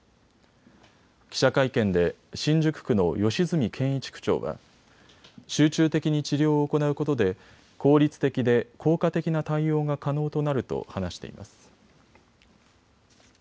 記者会見で新宿区の吉住健一区長は、集中的に治療を行うことで効率的で効果的な対応が可能となると話しています。